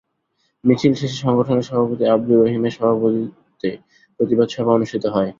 মিছিল শেষে সংগঠনের সভাপতি আবদুর রহিমের সভাপতিত্বে প্রতিবাদ সভা অনুষ্ঠিত হয়।